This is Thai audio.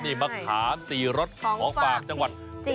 นี่มะขาม๔รสของฝากจังหวัด